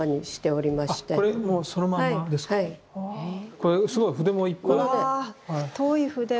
これすごい筆も。わ太い筆がいっぱい！